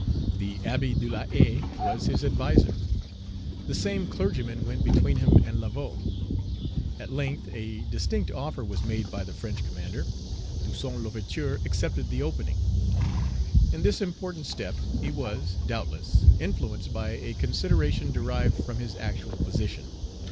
The Abbé de la Haie was his adviser. The same clergyman went between him and Laveaux. At length, a distinct offer was made by the French commander. Toussaint L'Ouverture accepted the opening. In this important step, he was, doubtless, influenced by a consideration derived from his actual position.